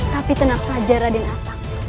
tapi tenang saja raden atak